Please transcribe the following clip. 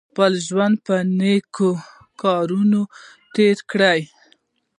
خپل ژوند په نېکو کارونو تېر کړئ.